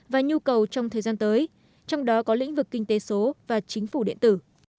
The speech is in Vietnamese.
và nhu cầu trong thời gian tới trong đó có lĩnh vực kinh tế số và chính phủ điện tử